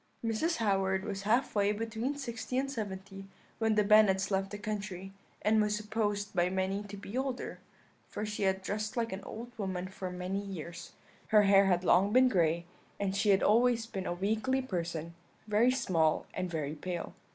"Mrs. Howard was half way between sixty and seventy when the Bennets left the country, and was supposed by many to be older, for she had dressed like an old woman for many years; her hair had long been gray, and she had always been a weakly person, very small and very pale.